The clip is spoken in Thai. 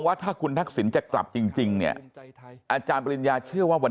ว่าถ้าคุณทักษิณจะกลับจริงเนี่ยอาจารย์ปริญญาเชื่อว่าวัน